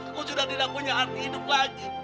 aku juga tidak punya arti hidup lagi